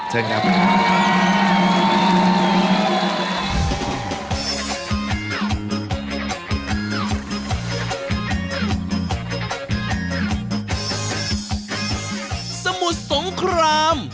สวัสดีครับ